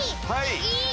はい。